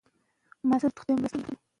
که هوا ککړه شي، خلک ناروغ کېږي.